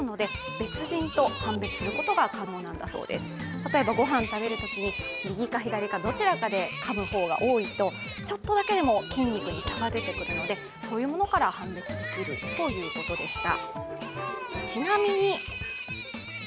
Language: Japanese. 例えばご飯食べるときに右か左かでどちらかでかむ方が多いとちょっとだけでも、筋肉に差が出てくるのでそういうものから判別できるということでした。